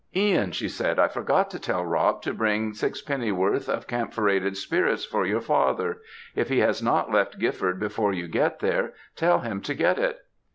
"Ihan," she said, "I forgot to tell Rob to bring sixpennyworth of camphorated spirits for your father; if he has not left Gifford before you get there, tell him to get it."